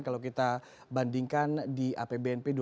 kalau kita bandingkan di apbnp dua ribu delapan belas